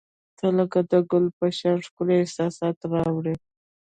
• ته لکه د ګل په شان ښکلي احساسات راوړي.